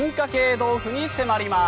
豆腐に迫ります。